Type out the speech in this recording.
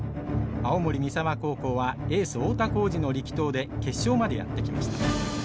青森三沢高校はエース太田幸司の力投で決勝までやって来ました。